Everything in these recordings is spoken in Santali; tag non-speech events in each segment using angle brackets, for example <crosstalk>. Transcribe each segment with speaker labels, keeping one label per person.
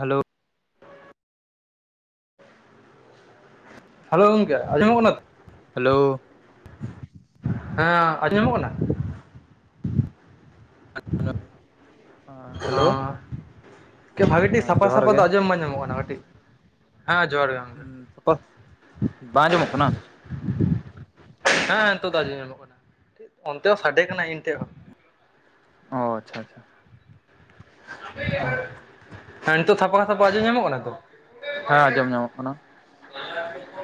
Speaker 1: ᱦᱮᱞᱳ᱾
Speaker 2: ᱦᱮᱞᱳ ᱜᱚᱝᱠᱮ ᱟᱡᱚᱢ ᱠᱟᱱᱟ ᱛᱚ?
Speaker 1: ᱦᱮᱞᱳ᱾
Speaker 2: ᱦᱮᱸ ᱟᱸᱡᱚᱢᱚᱜ ᱠᱟᱱᱟ? ᱦᱚᱸ᱾
Speaker 1: ᱦᱮᱞᱳ
Speaker 2: ᱜᱚᱝᱠᱮ ᱵᱷᱟᱹᱜᱤ ᱴᱷᱤᱠ
Speaker 1: ᱦᱮᱸ
Speaker 2: ᱥᱟᱯᱷᱟ
Speaker 1: ᱡᱚᱦᱟᱨ
Speaker 2: ᱥᱟᱯᱷᱟ
Speaker 1: ᱜᱮ
Speaker 2: ᱫᱚ ᱟᱸᱡᱚᱢ ᱵᱟᱝ ᱧᱟᱢᱚᱜ ᱠᱟᱱᱟ ᱠᱟᱹᱴᱤᱡ ᱦᱮᱸ ᱡᱚᱸᱦᱟᱨ ᱜᱮ ᱾
Speaker 1: ᱛᱟᱨᱯᱚᱨ, ᱵᱟᱝ ᱟᱸᱡᱚᱢᱚᱜ ᱠᱟᱱᱟ?
Speaker 2: ᱦᱮᱸ ᱦᱮᱸ ᱱᱤᱛᱳᱜ ᱫᱚ ᱟᱸᱡᱚᱢ ᱧᱟᱢᱚᱜ ᱠᱟᱱᱟ, ᱚᱱᱛᱮ ᱦᱚᱸ ᱥᱟᱰᱮ ᱠᱟᱱᱟ ᱤᱧ ᱴᱷᱮᱡ ᱦᱚᱸ ᱾
Speaker 1: ᱚ ᱟᱪᱪᱷᱟ ᱟᱪᱪᱷᱟ ᱾
Speaker 2: ᱦᱮᱸ, ᱱᱤᱛᱳᱜ ᱛᱷᱟᱯᱟ ᱛᱷᱟᱯᱟ ᱟᱸᱡᱚᱢ ᱧᱟᱢᱚᱜ ᱠᱟᱱᱟ ᱛᱚ?
Speaker 1: ᱦᱮᱸ, ᱟᱸᱡᱚᱢ ᱧᱟᱢᱚᱜ ᱠᱟᱱᱟ ᱾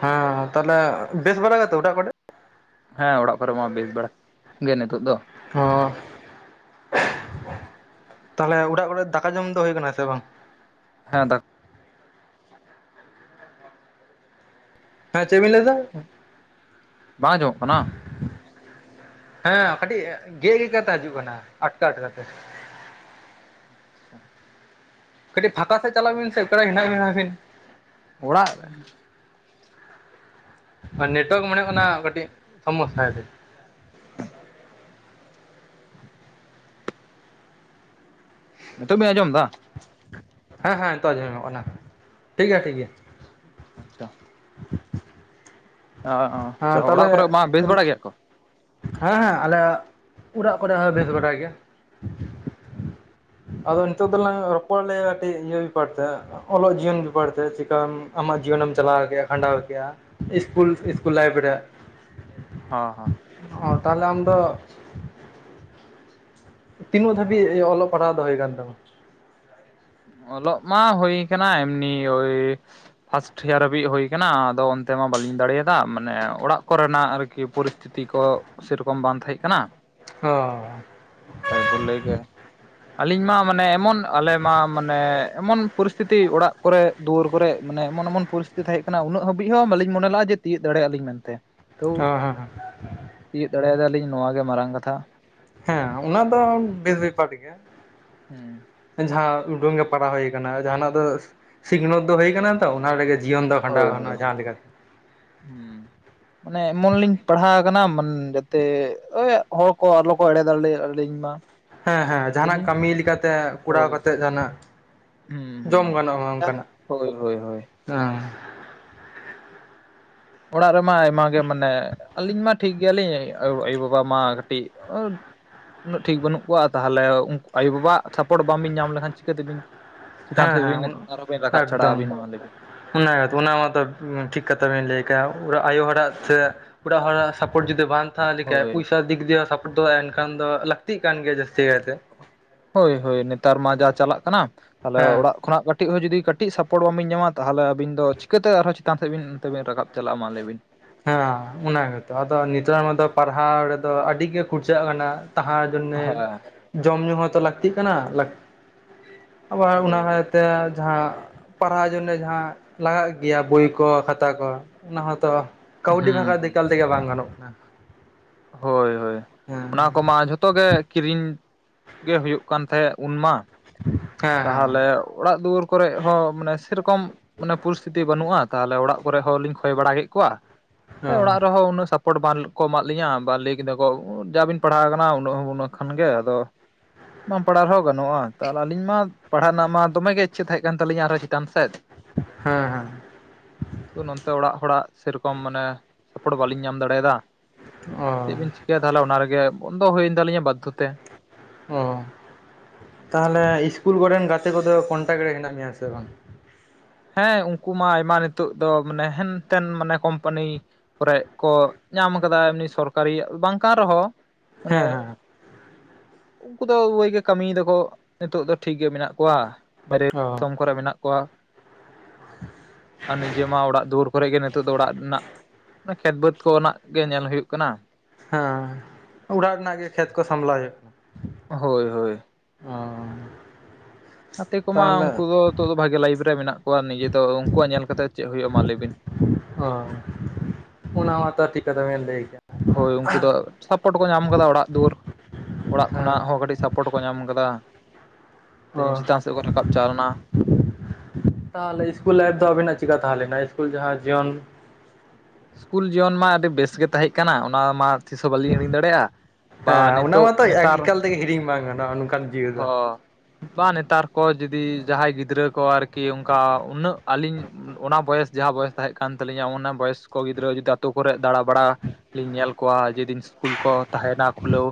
Speaker 2: ᱦᱮᱸ, ᱛᱟᱦᱚᱞᱮ ᱵᱮᱥ ᱵᱟᱲᱟ ᱜᱮᱛᱚ ᱚᱲᱟᱜ ᱠᱚᱨᱮ᱾
Speaker 1: ᱦᱮᱸ, ᱚᱲᱟᱜ ᱠᱚᱨᱮ ᱢᱟ ᱵᱮᱥ ᱵᱟᱲᱟ ᱜᱮ ᱱᱤᱛᱚᱜ ᱫᱚ ᱾
Speaker 2: ᱚ ᱛᱟᱦᱚᱞᱮ ᱚᱲᱟᱜ ᱠᱚᱨᱮ ᱫᱟᱠᱟ ᱡᱚᱢ ᱫᱚ ᱦᱳᱭ ᱠᱟᱱᱟ ᱥᱮ ᱵᱟᱝ?
Speaker 1: ᱦᱮᱸ ᱫᱟ
Speaker 2: ᱦᱮᱸ ᱪᱮᱜᱵᱤᱱ ᱞᱟᱹᱭᱮᱫᱟ?
Speaker 1: ᱵᱟᱝ ᱟᱡᱚᱢᱚᱜ ᱠᱟᱱᱟ?
Speaker 2: ᱦᱮᱸ ᱠᱟᱹᱴᱤᱡ ᱜᱮᱫ ᱜᱮᱫ ᱠᱟᱛᱮ ᱦᱤᱡᱩᱜ ᱠᱟᱱᱟ, ᱟᱴᱠᱟ ᱟᱴᱠᱟ ᱛᱮ ᱾
Speaker 1: ᱟᱪᱪᱷᱟ ᱾
Speaker 2: ᱠᱟᱹᱴᱤᱡ ᱯᱷᱟᱸᱠᱟ ᱥᱮᱫ ᱪᱟᱞᱟᱜ ᱵᱤᱱᱥᱮ ᱚᱠᱟᱨᱮ ᱦᱮᱱᱟᱜ ᱵᱮᱱᱟ ᱠᱟᱹᱡ ᱾
Speaker 1: ᱚᱲᱟᱜ ᱨᱮ ᱾
Speaker 2: ᱱᱮᱴᱳᱣᱟᱨᱠ ᱢᱚᱱᱮ ᱦᱩᱭᱩᱜ ᱠᱟᱱᱟ ᱠᱟᱹᱴᱤᱡ ᱥᱚᱢᱚᱥᱟ
Speaker 1: <unintelligible> ᱱᱤᱛᱚᱜ ᱵᱤᱱ ᱟᱸᱡᱚᱢ ᱫᱟ?
Speaker 2: ᱦᱮᱸ ᱦᱮᱸ ᱱᱤᱛᱚ ᱟᱸᱡᱚᱢ ᱧᱟᱢᱚᱜ ᱠᱟᱱᱟ ᱴᱷᱤᱠ ᱜᱮᱭᱟ ᱴᱷᱤᱠ ᱜᱮᱭᱟ ᱾
Speaker 1: ᱟᱪᱪᱷᱟ ᱾ ᱚ ᱪᱮ
Speaker 2: ᱦᱮᱸ
Speaker 1: ᱚᱲᱟᱜ
Speaker 2: ᱛᱟᱦᱚᱞᱮ
Speaker 1: ᱠᱚᱨᱮ ᱢᱟ ᱵᱮᱥ ᱵᱟᱲᱟ ᱜᱮᱭᱟ ᱠᱚ?
Speaker 2: ᱦᱮᱸ ᱦᱮᱸ ᱟᱞᱮᱭᱟᱜ ᱚᱲᱟᱜ ᱠᱚᱨᱮ ᱦᱚᱸ ᱵᱮᱥ ᱵᱟᱰᱟᱭ ᱜᱮ ᱾
Speaker 1: ᱟᱪᱪᱷᱟ ᱾
Speaker 2: ᱟᱫᱚ ᱱᱤᱛᱚ ᱫᱚᱞᱟᱝ ᱨᱚᱯᱚᱲ ᱞᱮ ᱠᱟᱹᱴᱤᱡ ᱤᱭᱟᱹ ᱵᱮᱯᱟᱨ ᱛᱮ ᱾ ᱚᱞᱚᱜ ᱡᱤᱭᱚᱱ ᱵᱮᱯᱟᱨᱛᱮ ᱪᱤᱠᱠᱟᱢ ᱟᱢᱟᱜ ᱡᱤᱭᱚᱱᱮᱢ ᱪᱟᱞᱟᱣ ᱠᱮᱫᱼᱟ ᱠᱷᱟᱸᱰᱟᱣ ᱠᱮᱫᱼᱟ ᱾ ᱤᱥᱠᱩᱞ ᱤᱥᱠᱩᱞ ᱞᱟᱭᱤᱯᱷ ᱨᱮ᱾
Speaker 1: ᱦᱮᱸ ᱦᱮᱸ ᱾
Speaker 2: ᱚ ᱛᱟᱦᱚᱞᱮ ᱟᱢᱫᱚ ᱛᱤᱱᱟᱹᱜ ᱫᱷᱟᱹᱵᱤᱡ ᱚᱞᱚᱜ ᱯᱟᱲᱦᱟᱣ ᱫᱚ ᱦᱩᱭ ᱠᱟᱱ ᱛᱟᱢᱟ?
Speaker 1: ᱚᱞᱚᱜ ᱢᱟ ᱦᱩᱭ ᱠᱟᱱᱟ ᱮᱢᱱᱤ ᱳᱭ ᱯᱷᱟᱥᱴ ᱤᱭᱟᱨ ᱦᱟᱹᱵᱤᱡ ᱦᱩᱭ ᱠᱟᱱᱟ ᱟᱫᱚ ᱚᱱᱛᱮ ᱢᱟ ᱵᱟᱟᱹᱞᱤᱧ ᱫᱟᱲᱮᱭᱟᱫᱟ ᱢᱟᱱᱮ ᱚᱲᱟᱜ ᱠᱚᱨᱮᱱᱟᱜ ᱟᱨᱠᱤ ᱯᱚᱨᱤᱥᱛᱷᱤᱛᱤ ᱥᱛᱷᱤᱛᱤ ᱠᱚ ᱥᱮ ᱨᱚᱠᱚᱢ ᱵᱟᱝ ᱛᱟᱦᱮᱸ ᱠᱟᱱᱟ ᱾
Speaker 2: ᱚ ᱾
Speaker 1: <inaudible> ᱜᱮ ᱾ ᱟᱹᱞᱤᱧ ᱢᱟ ᱢᱟᱱᱮ ᱮᱢᱚᱱ ᱟᱞᱮ ᱢᱟ ᱢᱟᱱᱮ ᱮᱢᱚᱱ ᱯᱚᱨᱤᱥᱛᱷᱤᱛᱤ ᱚᱲᱟᱜ ᱾ ᱠᱚᱨᱮ ᱫᱩᱣᱟᱹᱨ ᱠᱚᱨᱮ ᱢᱟᱱᱮ ᱮᱢᱚᱱ ᱮᱢᱚᱱ ᱯᱚᱨᱤᱥᱛᱷᱤᱛ ᱛᱟᱦᱮᱸ ᱠᱟᱱᱟ ᱩᱱᱟᱹᱜ ᱦᱟᱹᱵᱤᱡ ᱦᱚᱸ ᱵᱟᱹᱞᱤᱧ ᱢᱚᱱᱮ ᱞᱟᱜᱼᱟ ᱡᱮ ᱛᱤᱭᱳᱜ ᱫᱟᱲᱮᱭᱟᱜᱼᱟᱞᱤᱧ ᱢᱮᱱᱛᱮ ᱾ ᱛᱟᱹᱣ
Speaker 2: ᱦᱮᱸ ᱦᱮᱸ
Speaker 1: ᱛᱤᱭᱳᱜ ᱫᱟᱲᱮᱭᱟᱫᱟᱞᱤᱧ ᱱᱚᱣᱟ ᱜᱮ ᱢᱟᱨᱟᱝ ᱠᱟᱛᱷᱟ ᱾
Speaker 2: ᱦᱮᱸ ᱚᱱᱟ ᱫᱚ ᱵᱮᱥ ᱵᱮᱯᱟᱨ ᱜᱮᱭᱟ ᱾
Speaker 1: ᱦᱮᱸ ᱾
Speaker 2: ᱡᱟᱦᱟᱸ ᱩᱰᱩᱝ ᱜᱮ ᱯᱟᱲᱟᱣ ᱦᱩᱭ ᱠᱟᱱᱟ ᱡᱟᱦᱟᱸᱱᱟᱜ ᱫᱚ ᱥᱤᱠᱷᱱᱟᱹᱛ ᱫᱚ ᱦᱩᱭ ᱟᱠᱟᱱᱟ ᱾ ᱛᱚ ᱚᱱᱟ ᱨᱮᱜᱮ ᱡᱤᱭᱚᱱ ᱫᱚ ᱠᱷᱟᱸᱰᱟᱣ ᱜᱟᱱᱚᱜᱼᱟ ᱡᱟᱦᱟᱸ ᱞᱮᱠᱟᱛᱮ ᱾
Speaker 1: ᱦᱮᱸ ᱾ ᱢᱟᱱᱮ ᱮᱢᱚᱱ ᱞᱤᱧ ᱯᱟᱲᱦᱟᱣ ᱟᱠᱟᱱᱟ ᱢᱮ ᱡᱟᱛᱮ ᱳᱭ ᱦᱚᱲ ᱠᱚ ᱟᱞᱚ ᱠᱚ ᱮᱲᱮ ᱫᱟᱲᱮᱭᱟᱞᱤᱧ ᱢᱟ ᱾
Speaker 2: ᱦᱮᱸ ᱦᱮᱸ ᱡᱟᱦᱱᱟᱜ ᱠᱟᱹᱢᱤ ᱞᱮᱠᱟᱛᱮ ᱠᱚᱨᱟᱣ
Speaker 1: ᱦᱳᱭ
Speaker 2: ᱠᱟᱛᱮ ᱡᱟᱦᱱᱟᱜ
Speaker 1: ᱦᱩᱸ
Speaker 2: ᱡᱚᱢ
Speaker 1: ᱦᱩᱸ
Speaker 2: ᱜᱟᱱᱚᱜᱼᱟ
Speaker 1: ᱡᱟᱦᱟᱸ
Speaker 2: ᱚᱱᱠᱟᱱᱟᱜ
Speaker 1: ᱦᱳᱭ ᱦᱳᱭ ᱦᱳᱭ ᱚᱲᱟᱜ ᱨᱮᱢᱟ ᱟᱭᱢᱟ ᱜᱮ ᱢᱟᱱᱮ ᱟᱹᱞᱤᱧ ᱢᱟ ᱴᱷᱤᱠ ᱜᱮᱭᱟᱞᱤᱧ ᱟᱭᱩ ᱵᱟᱵᱟ ᱢᱟ ᱠᱟᱹᱴᱤᱡ ᱩᱱᱟᱹᱜ ᱴᱷᱤᱠ ᱵᱟᱹᱱᱩᱜ ᱠᱚᱣᱟ ᱛᱟᱦᱚᱞᱮ ᱩᱱᱠᱩ ᱟᱭᱳᱼ ᱵᱟᱵᱟᱣᱟᱜ ᱥᱟᱯᱴ ᱵᱟᱝ ᱵᱤᱱ ᱧᱟᱢ ᱞᱮᱠᱷᱟᱱ ᱪᱤᱠᱟᱹ ᱛᱮᱵᱤᱱ ᱪᱮᱛᱟᱱ
Speaker 2: ᱦᱮᱸ
Speaker 1: ᱥᱮᱫ ᱵᱤᱱ
Speaker 2: ᱦᱮᱸ
Speaker 1: ᱟᱨᱚ ᱵᱤᱱ ᱨᱟᱠᱟᱵ ᱪᱷᱟᱲᱟᱜᱼᱟ ᱟᱹᱵᱤᱱ
Speaker 2: ᱮᱠᱫᱚᱢ
Speaker 1: ᱢᱟ ᱞᱮᱭ ᱵᱤᱱ᱾
Speaker 2: ᱚᱱᱟ ᱜᱮᱛᱚ ᱚᱱᱟ ᱢᱟ ᱛᱚ ᱴᱷᱤᱠ ᱠᱟᱛᱷᱟ ᱵᱮᱱ ᱞᱟᱹᱭ ᱠᱟᱜ-ᱟ, ᱟᱭᱳ ᱦᱚᱲ ᱟᱜ ᱛᱮ ᱚᱲᱟᱜ ᱦᱚᱲᱟᱜ ᱥᱟᱯᱳᱴ ᱡᱩᱫᱤ ᱵᱟᱝ ᱠᱟᱛᱷᱟ ᱞᱮᱠᱟᱭᱟ
Speaker 1: ᱦᱳᱭ
Speaker 2: ᱯᱚᱭᱥᱟ ᱫᱤᱠ ᱫᱤᱭᱮ ᱦᱚᱸ ᱥᱟᱯᱚᱴ ᱫᱚ ᱮᱱᱠᱷᱟᱱ ᱫᱚ ᱞᱟᱹᱠᱛᱤᱜ ᱠᱟᱱ ᱜᱮᱭᱟ ᱡᱟᱹᱥᱛᱤ ᱠᱟᱭᱛᱮ᱾
Speaker 1: ᱦᱳᱭ ᱦᱳᱭ ᱱᱮᱛᱟᱨ ᱢᱟ ᱡᱟ ᱪᱟᱞᱟᱜ ᱠᱟᱱᱟ ᱛᱟᱦᱚᱞᱮ
Speaker 2: ᱦᱮᱸ
Speaker 1: ᱚᱲᱟᱜ ᱠᱷᱚᱱᱟᱜ ᱠᱟᱹᱴ ᱠᱟᱹᱴᱤᱡ ᱦᱚᱸ ᱡᱩᱫᱤ ᱠᱟᱹᱴᱤᱡ ᱥᱟᱯᱳᱴ ᱵᱟᱵᱤᱱ ᱧᱟᱢᱟ ᱛᱟᱦᱚᱞᱮ ᱟᱵᱤᱱ ᱫᱚ ᱪᱤᱠᱟᱹᱛᱮ ᱟᱨᱦᱚᱸ ᱪᱮᱛᱟᱱ ᱥᱮᱫ ᱵᱤᱱ ᱚᱱᱛᱮ ᱵᱤᱱ ᱨᱟᱠᱟᱵ ᱪᱟᱞᱟᱜ-ᱟ ᱢᱟ ᱞᱟᱹᱭ ᱵᱤᱱ?
Speaker 2: ᱦᱮᱸ ᱚᱱᱟᱱᱟᱜᱛᱚ ᱟᱫᱚ ᱱᱮᱛᱟᱨ ᱢᱟ ᱫᱚ ᱯᱟᱲᱦᱟᱣ ᱨᱮᱫᱚ ᱟᱹᱰᱤ ᱜᱮ ᱠᱷᱚᱨᱪᱟᱜ ᱠᱟᱱᱟ ᱞᱟᱦᱟ᱾
Speaker 1: ᱦᱮᱸ
Speaker 2: <inaudible> ᱡᱚᱢ ᱦᱚᱸ ᱛᱚ ᱞᱟᱹᱠᱛᱤᱜ ᱠᱟᱱᱟ᱾ ᱟᱵᱟᱨ ᱚᱱᱟ
Speaker 1: ᱦᱳᱭ
Speaker 2: ᱠᱟᱭᱛᱮ ᱡᱟᱦᱟᱸ ᱯᱟᱲᱦᱟᱣ ᱡᱚᱱᱱᱮ ᱡᱟᱦᱟᱸ ᱞᱟᱜᱟᱜ ᱜᱮᱭᱟ ᱵᱳᱭ ᱠᱚ, ᱠᱷᱟᱛᱟ ᱠᱚ, ᱚᱱᱟ ᱦᱚᱸ ᱛᱚ ᱠᱟᱹᱣᱰᱤ ᱵᱟᱠᱷᱟᱡ <unintelligible>
Speaker 1: ᱦᱩᱸ
Speaker 2: ᱮᱠᱟᱞ ᱛᱮᱜᱮ ᱵᱟᱝ ᱜᱟᱱᱚᱜ ᱠᱟᱱᱟ᱾
Speaker 1: ᱦᱳᱭ ᱦᱳᱭ, ᱚᱱᱟ ᱠᱚᱢᱟ ᱡᱷᱚᱛᱚ ᱜᱮ ᱠᱤᱨᱤᱧ ᱜᱮ ᱦᱩᱭᱩᱜ ᱠᱟᱱ ᱛᱟᱦᱮᱸᱫ ᱩᱱ ᱢᱟ᱾
Speaker 2: ᱦᱩᱸ᱾
Speaker 1: ᱛᱟᱦᱚᱞᱮ ᱚᱲᱟᱜ ᱫᱩᱣᱟᱹᱨ ᱠᱚᱨᱮ ᱦᱚᱸ ᱢᱟᱱᱮ ᱥᱮᱨᱚᱠᱚᱢ ᱢᱟᱱᱮ ᱯᱚᱨᱤᱥᱛᱷᱤᱛᱤ ᱵᱟᱹᱱᱩᱜᱼᱟ ᱛᱟᱦᱚᱞᱮ ᱚᱲᱟᱜ ᱠᱚᱨᱮ ᱦᱚᱸ ᱞᱤᱧ ᱠᱷᱚᱭ ᱵᱟᱲᱟ ᱠᱮᱫ ᱠᱚᱣᱟ,
Speaker 2: ᱦᱮᱸ ᱦᱮᱸ
Speaker 1: ᱮ
Speaker 2: ᱚ
Speaker 1: ᱚᱲᱟᱜ ᱨᱮᱦᱚᱸ ᱩᱱᱟᱹᱜ ᱥᱟᱯ ᱯᱚᱴ ᱵᱟᱱ ᱠᱚ ᱮᱢᱟᱜ ᱞᱤᱧᱟᱹ ᱵᱟᱝ ᱞᱮᱭ ᱠᱮᱫᱟ ᱠᱚ ᱡᱟ ᱵᱤᱱ ᱯᱟᱲᱦᱟᱣ ᱟᱠᱟᱱᱟ ᱩᱱᱟᱹᱜ ᱦᱚᱸ ᱩᱱᱟᱹᱜ ᱠᱷᱟᱱ ᱜᱮ ᱟᱫᱚ ᱵᱟᱢ ᱯᱟᱲᱦᱟᱣ ᱨᱮᱦᱚᱸ ᱜᱟᱱᱚᱜᱼᱟ, ᱛᱟᱦᱚᱞᱮ ᱟᱹᱞᱤᱧ ᱢᱟ ᱯᱟᱲᱦᱟᱜ ᱨᱮᱱᱟᱜ ᱢᱟ ᱫᱚᱢᱮ ᱜᱮ ᱤᱪᱪᱷᱟᱹ ᱛᱟᱦᱮᱸᱜ ᱠᱟᱱ ᱛᱟᱹᱟᱞᱤᱧᱟ ᱟᱨᱦᱚᱸ ᱪᱮᱛᱟᱱ ᱥᱮᱫ᱾
Speaker 2: ᱦᱮᱸ ᱦᱮᱸ᱾
Speaker 1: ᱛᱚ ᱱᱚᱱᱛᱮ ᱚᱲᱟᱜ ᱦᱚᱲᱟᱜ ᱥᱮᱨᱚᱠᱚᱢ ᱢᱟᱱᱮ ᱥᱟᱯᱳᱨᱴ ᱵᱟᱞᱤᱧ ᱧᱟᱢ ᱫᱟᱲᱮᱭᱟᱫᱟ᱾
Speaker 2: ᱚ
Speaker 1: ᱪᱮᱫ ᱵᱤᱱ ᱪᱤᱠᱟᱹᱭᱟ ᱛᱟᱦᱚᱞᱮ ᱚᱱᱟ ᱨᱮᱜᱮ ᱵᱚᱱᱫᱚ ᱦᱩᱭᱮᱱ ᱛᱟᱞᱤᱧᱟ ᱵᱟᱫᱽᱫᱷᱚ ᱛᱮ᱾
Speaker 2: ᱚ, ᱛᱟᱦᱚᱞᱮ ᱤᱥᱠᱩᱞ ᱠᱚᱨᱮᱱ ᱜᱟᱛᱮ ᱠᱚᱫᱚ ᱠᱚᱱᱴᱟᱠ ᱨᱮ ᱦᱮᱱᱟᱜ ᱢᱮᱭᱟ ᱥᱮ ᱵᱟᱝ?
Speaker 1: ᱦᱮᱸ ᱩᱝᱠᱩ ᱢᱟ ᱟᱭᱢᱟ ᱱᱤᱛᱚᱜ ᱫᱚ ᱢᱟᱱᱮ ᱦᱮᱱ-ᱛᱮᱱ ᱢᱟᱱᱮ ᱠᱳᱢᱯᱟᱱᱤ ᱠᱚᱨᱮᱜ ᱠᱚ ᱧᱟᱢ ᱠᱟᱫᱟ ᱮᱢᱱᱤ ᱥᱚᱨᱠᱟᱨᱤᱭᱟᱜ ᱵᱟᱝ ᱠᱟᱱ ᱨᱮᱦᱚᱸ, ᱢᱟᱱᱮ
Speaker 2: ᱦᱮᱸ ᱦᱮᱸ
Speaker 1: ᱩᱝᱠᱩ ᱫᱚ ᱩᱭᱟᱹᱭ ᱜᱮ ᱠᱟᱹᱢᱤᱭ ᱫᱟᱠᱚ, ᱱᱤᱛᱚᱜ ᱫᱚ ᱴᱷᱤᱠ ᱜᱮ ᱢᱮᱱᱟᱜ ᱠᱚᱣᱟ᱾ ᱵᱟᱭᱨᱮ
Speaker 2: ᱚ
Speaker 1: ᱫᱤᱥᱚᱢ ᱠᱚᱨᱮ ᱢᱮᱱᱟᱜ ᱠᱚᱭᱟ᱾ ᱟᱨ ᱱᱤᱡᱮ ᱢᱟ ᱚᱲᱟᱜ ᱫᱩᱣᱟᱹᱨ ᱠᱚᱨᱮ ᱜᱮ ᱱᱤᱛᱳᱜ ᱫᱚ ᱚᱲᱟᱜ ᱨᱮᱱᱟᱜ ᱚᱱᱟ ᱠᱷᱮᱛ ᱵᱟᱹᱫᱽ ᱠᱚ ᱨᱮᱱᱟᱜ ᱜᱮ ᱧᱮᱞ ᱦᱩᱭᱩᱜ ᱠᱟᱱᱟ᱾
Speaker 2: ᱦᱟᱸ, ᱚᱲᱟᱜ ᱨᱮᱱᱟᱜ ᱜᱮ ᱠᱷᱮᱛ ᱠᱚ ᱥᱟᱢᱞᱟᱣ ᱦᱳᱭᱳᱜ ᱠᱟᱱᱟ?
Speaker 1: ᱦᱳᱭ ᱦᱳᱭ᱾
Speaker 2: ᱚᱸᱻ᱾
Speaker 1: ᱜᱟᱛᱮ ᱠᱚᱢᱟ ᱩᱝᱠᱩ ᱫᱚ ᱱᱤᱛᱚᱜ ᱫᱚ ᱵᱷᱟᱜᱮ ᱞᱟᱭᱤᱯᱷ ᱨᱮ ᱢᱮᱱᱟᱜ ᱠᱚᱣᱟ, ᱱᱤᱡᱮ ᱫᱚ ᱩᱝᱠᱩᱣᱟᱜ ᱧᱮᱞ ᱠᱟᱛᱮᱫ ᱪᱮᱫ ᱦᱩᱭᱩᱜ ᱢᱟ ᱞᱟᱹᱭ ᱵᱤᱱ᱾
Speaker 2: ᱦᱳᱭ, ᱚᱱᱟ ᱢᱟᱛᱚ ᱴᱷᱤᱠ ᱠᱟᱛᱷᱟ ᱵᱤᱱ ᱞᱟᱹᱭ ᱠᱟᱫ᱾
Speaker 1: ᱦᱳᱭ ᱩᱝᱠᱩ ᱫᱚ ᱥᱟᱯᱳᱴ ᱠᱚ ᱧᱟᱢ ᱠᱟᱫᱟ ᱚᱲᱟᱜ ᱫᱩᱣᱟᱹᱨ, ᱚᱲᱟᱜ
Speaker 2: ᱦᱮᱸ
Speaker 1: ᱠᱷᱚᱱᱟᱜ ᱦᱚᱸ ᱠᱟᱹᱴᱤᱡ ᱥᱟᱯ ᱯᱚᱴ ᱠᱚ ᱧᱟᱢ ᱠᱟᱫᱟ᱾
Speaker 2: ᱚ᱾
Speaker 1: ᱪᱮᱛᱟᱱ ᱥᱮᱫ ᱠᱚ ᱨᱟᱠᱟᱵ ᱪᱟᱣ ᱞᱮᱱᱟ
Speaker 2: ᱛᱟᱦᱚᱞᱮ ᱤᱥᱠᱩᱞ ᱞᱟᱭᱤᱯᱷ ᱫᱚ ᱟᱵᱤᱱᱟᱜ ᱪᱤᱠᱟ ᱛᱟᱦᱮᱸ ᱞᱮᱱᱟ ᱤᱥᱠᱩᱞ ᱡᱟᱦᱟᱸ ᱡᱤᱭᱚᱱ?
Speaker 1: ᱤᱥᱠᱩᱞ ᱡᱤᱭᱚᱱ ᱢᱟ ᱟᱹᱰᱤ ᱵᱮᱥ ᱜᱮ ᱛᱟᱦᱮᱸᱜ ᱠᱟᱱᱟ ᱚᱱᱟ ᱢᱟ ᱛᱤᱥ ᱦᱚᱸ ᱵᱟᱹᱞᱤᱧ ᱦᱤᱲᱤᱧ ᱫᱟᱲᱮᱭᱟᱜᱼᱟ᱾ ᱵᱟ
Speaker 2: ᱦᱮᱸ ᱚᱱᱟ
Speaker 1: ᱱᱤᱛᱚᱜ
Speaker 2: ᱢᱟᱛᱚ
Speaker 1: ᱱᱮᱛᱟᱨ
Speaker 2: ᱮ-ᱮᱠᱟᱞ ᱛᱮᱜᱮ ᱦᱤᱲᱤᱧ ᱵᱟᱝ ᱜᱟᱱᱚᱜᱼᱟ, ᱱᱚᱝᱠᱟᱱ ᱡᱤᱭᱚᱱ ᱫᱚ᱾
Speaker 1: ᱦᱚᱸ ᱵᱟᱝ ᱱᱮᱛᱟᱨ ᱠᱚ ᱡᱩᱫᱤ ᱡᱟᱦᱟᱸᱭ ᱜᱤᱫᱽᱨᱟᱹ ᱠᱚ ᱟᱨ ᱠᱤ ᱚᱝᱠᱟ ᱩᱱᱟᱹᱜ ᱟᱹᱞᱤᱧ ᱚᱱᱟ ᱵᱚᱭᱮᱥ ᱡᱟᱦᱟᱸ ᱵᱚᱭᱮᱥ ᱛᱟᱦᱮᱸᱜ ᱠᱟᱱ ᱛᱟᱹᱞᱤᱧᱟ ᱚᱱᱟ ᱵᱚᱭᱮᱥ ᱠᱚ ᱜᱤᱫᱽᱨᱟᱹ ᱡᱩᱫᱤ ᱟᱹᱛᱩ ᱠᱚᱨᱮᱫ ᱫᱟᱬᱟ ᱵᱟᱲᱟ ᱞᱤᱧ ᱧᱮᱞ ᱠᱚᱣᱟ ᱡᱮ ᱫᱤᱱ ᱥᱠᱩᱞ ᱠᱚ ᱛᱟᱦᱮᱸᱱᱟ ᱠᱷᱩᱞᱟᱹᱣ,